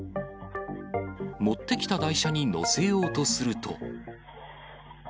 持ってきた台車に載せようとすると。